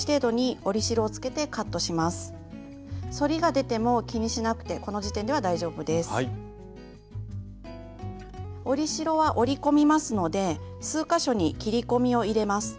折り代は折り込みますので数か所に切り込みを入れます。